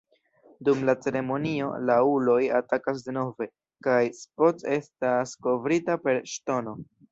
Dum la ceremonio, la uloj atakas denove, kaj Spock estas kovrita per ŝtono.